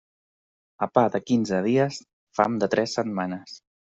A pa de quinze dies, fam de tres setmanes.